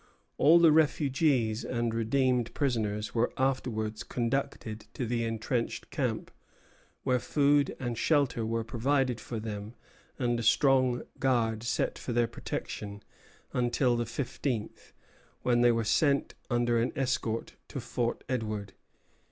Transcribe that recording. All the refugees and redeemed prisoners were afterwards conducted to the entrenched camp, where food and shelter were provided for them and a strong guard set for their protection until the fifteenth, when they were sent under an escort to Fort Edward.